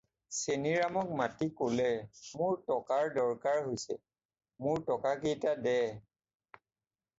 "চেনিৰামক মাতি ক'লে- "মোৰ টকাৰ দৰকাৰ হৈছে, মোৰ টকাকেইটা দে।"